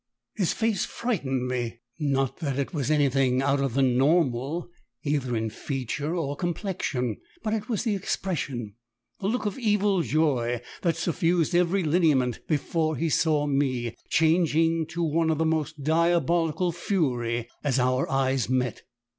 His face frightened me; not that it was anything out of the normal either in feature or complexion, but it was the expression the look of evil joy that suffused every lineament before he saw me, changing to one of the most diabolical fury as our eyes met.